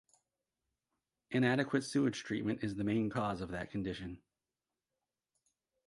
Inadequate sewage treatment is the main cause of that condition.